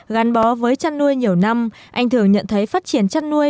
gắn bó với chăn nuôi nhiều năm anh thường nhận thấy phát triển chăn nuôi